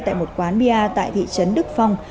tại một quán bia tại thị trấn đức phong